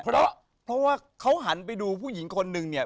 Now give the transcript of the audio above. เพราะว่าเขาหันไปดูผู้หญิงคนนึงเนี่ย